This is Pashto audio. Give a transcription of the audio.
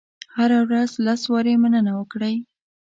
هره ورځ لس وارې مننه وکړئ.